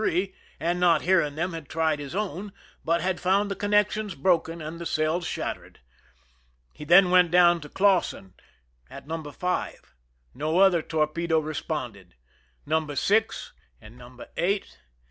3, and not hearing them had tried his own, but had found the connections broken and the cells shattered. He then went down to Clausen at No. 5. No other torpedo responded. No. 6 and No. 8 had suffered 96 ) 1